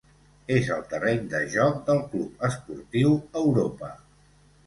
És el terreny de joc del Club Esportiu Europa.